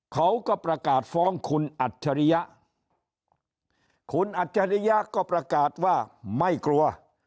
เขาก็ประกาศฟ้องคุณอัจฉริยะคุณอัจฉริยะก็ประกาศว่าไม่กลัว